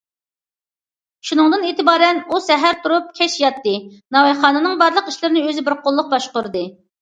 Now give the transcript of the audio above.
شۇنىڭدىن ئېتىبارەن ئۇ سەھەر تۇرۇپ، كەچ ياتتى، ناۋايخانىنىڭ بارلىق ئىشلىرىنى ئۆزى بىر قوللۇق باشقۇردى.